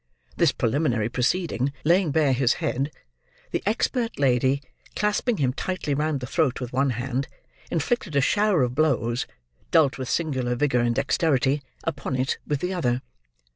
This preliminary proceeding laying bare his head, the expert lady, clasping him tightly round the throat with one hand, inflicted a shower of blows (dealt with singular vigour and dexterity) upon it with the other.